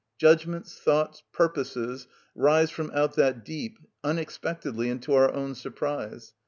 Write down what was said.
Judgments, thoughts, purposes, rise from out that deep unexpectedly and to our own surprise.